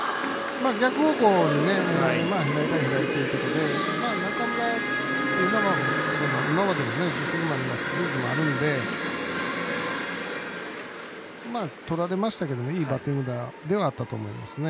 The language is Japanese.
逆方向に左対左ということで中村というのも実績もありますのでとられましたけどいいバッティングではあったと思いますね。